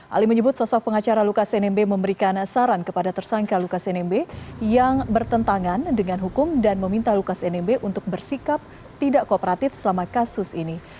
ali menyebut sosok pengacara lukas nmb memberikan saran kepada tersangka lukas nmb yang bertentangan dengan hukum dan meminta lukas nmb untuk bersikap tidak kooperatif selama kasus ini